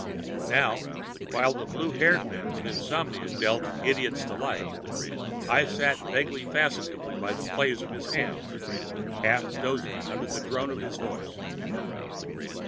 Now, while the blue haired man with insomnia dealt "Idiot's Delight" I sat vaguely fascinated by the play of his hands, half dozing under the drone of his voice.